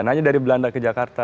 nanya dari belanda ke jakarta